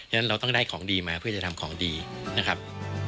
ฉะนั้นเราต้องได้ของดีมาเพื่อจะทำของดีนะครับ